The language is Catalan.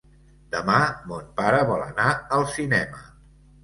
Demà mon pare vol anar al cinema.